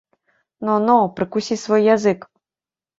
Но, но, прыкусі свой язык.